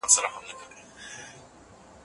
انسان په خپل ژوند کې لوړې ژورې لري.